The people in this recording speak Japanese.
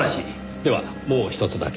ではもうひとつだけ。